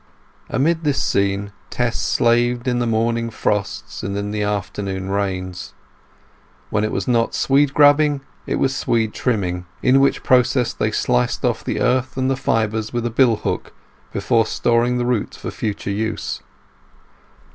Amid this scene Tess slaved in the morning frosts and in the afternoon rains. When it was not swede grubbing it was swede trimming, in which process they sliced off the earth and the fibres with a bill hook before storing the roots for future use.